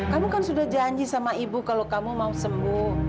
kamu kan sudah janji sama ibu kalau kamu mau sembuh